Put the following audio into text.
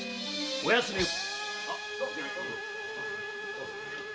お休みを。